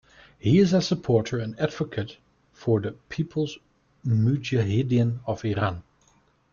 He is a supporter and advocate for the People's Mujahedin of Iran.